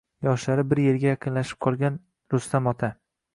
yoshlari yuega yaqinlashib qolgan Rustam ota.